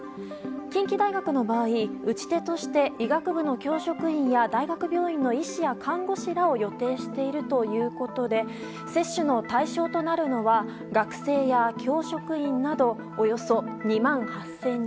近畿大学の場合、打ち手として医学部の教職員や大学病院の医師や看護師らを予定しているということで接種の対象となるのは学生や教職員などおよそ２万８０００人。